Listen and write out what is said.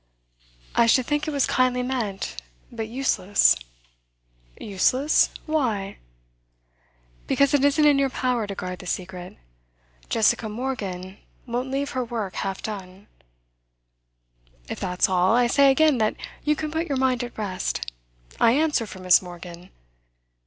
'I should think it was kindly meant, but useless.' 'Useless? Why?' 'Because it isn't in your power to guard the secret. Jessica Morgan won't leave her work half done.' 'If that's all, I say again that you can put your mind at rest. I answer for Miss. Morgan.